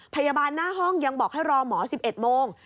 พยาบาลหน้าห้องยังบอกให้รอหมอ๑๑โมง